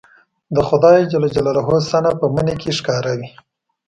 د خدای صنع په مني کې ښکاره وي